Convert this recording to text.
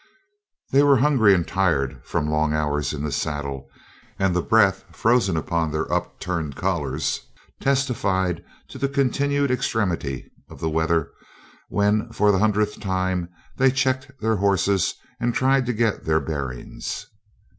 They were hungry and tired from long hours in the saddle, and the breath frozen on their upturned collars testified to the continued extremity of the weather when for the hundredth time they checked their horses and tried to get their bearings.